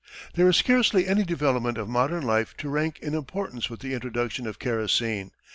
There is scarcely any development of modern life to rank in importance with the introduction of kerosene.